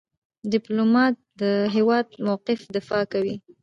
ډيپلومات د هېواد د موقف دفاع کوي.